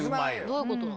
どういうこと？